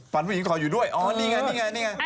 ผู้หญิงขออยู่ด้วยอ๋อนี่ไงนี่ไงนี่ไง